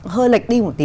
hơi lệch đi một tí